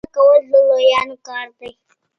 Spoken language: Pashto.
بخښنه کول د لويانو کار دی.